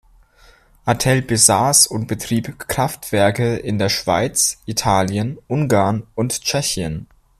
Atel besass und betrieb Kraftwerke in der Schweiz, Italien, Ungarn und Tschechien.